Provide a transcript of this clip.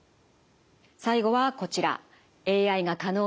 最後はこちら。